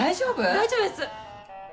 大丈夫です。